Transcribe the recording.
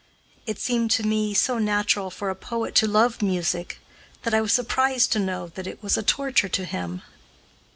It seemed, to me, so natural for a poet to love music that I was surprised to know that it was a torture to him.